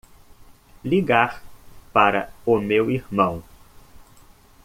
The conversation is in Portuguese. Ligar para o meu irmão.